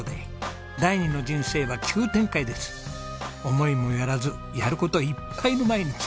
思いもよらずやる事いっぱいの毎日。